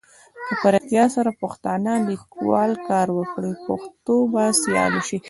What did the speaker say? که په رېښتیا سره پښتانه لیکوال کار وکړي پښتو به سیاله سي.